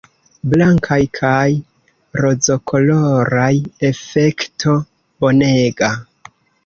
Blankaj kaj rozokoloraj, efekto bonega!